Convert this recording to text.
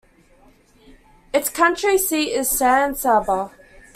Its county seat is San Saba.